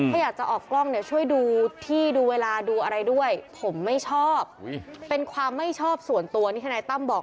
ถ้าอยากจะออกกล้องเนี่ยช่วยดูที่ดูเวลาดูอะไรด้วยผมไม่ชอบเป็นความไม่ชอบส่วนตัวนี่ทนายตั้มบอก